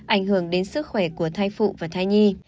ảnh hưởng đến sức khỏe của thai phụ và thai nhi